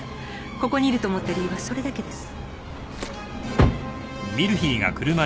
ここにいると思った理由はそれだけです。